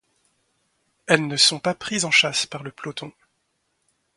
Elles ne sont pas prises en chasse par le peloton.